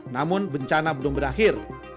namun bencana belum berakhir